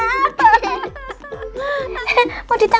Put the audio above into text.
mau ditambahin apa lagi sayang